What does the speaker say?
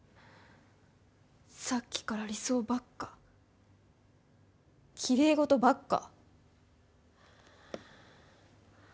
さっきから理想ばっかきれい事ばっか。